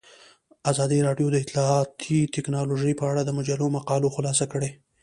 ازادي راډیو د اطلاعاتی تکنالوژي په اړه د مجلو مقالو خلاصه کړې.